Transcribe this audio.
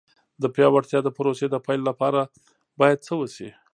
د پیاوړتیا د پروسې د پیل لپاره باید څه وشي.